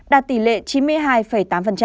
đạt tỷ lệ chín mươi hai tám